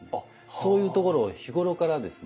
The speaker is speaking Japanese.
そういうところを日頃からですね